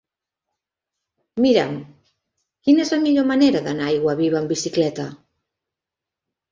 Mira'm quina és la millor manera d'anar a Aiguaviva amb bicicleta.